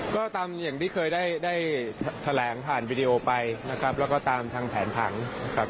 ก็ตามอย่างที่เคยได้แถลงผ่านวิดีโอไปนะครับแล้วก็ตามทางแผนผังนะครับ